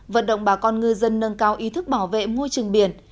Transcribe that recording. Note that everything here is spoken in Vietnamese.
vận động bà con ngư dân nâng cao ý thức bảo vệ môi trường biển